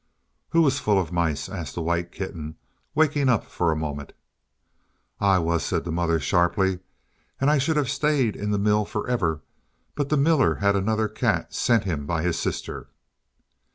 "Who was full of mice?" asked the white kitten, waking up for a moment. "I was," said the mother sharply; "and I should have stayed in the mill for ever, but the miller had another cat sent him by his sister.